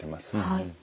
はい。